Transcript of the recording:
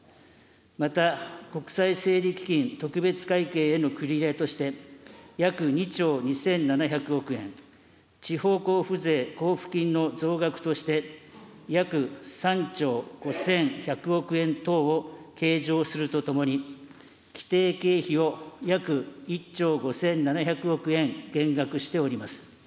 また国債整理基金特別会計への繰り入れとして、約２兆２７００億円、地方交付税交付金の増額として、約３兆５１００億円等を計上するとともに、既定経費を約１兆５７００億円減額しております。